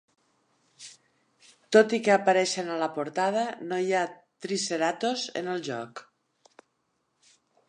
Tot i que apareixen a la portada, no hi ha Triceratos en el joc.